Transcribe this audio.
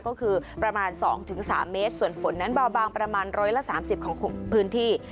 ก็คือประมาณสองถึงสามเมตรส่วนฝนนั้นเบาบางประมาณร้อยละสามสิบของพื้นที่